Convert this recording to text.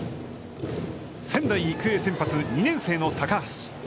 仙台育英先発、２年生の高橋。